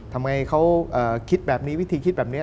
ทำไมเขาคิดแบบนี้วิธีคิดแบบนี้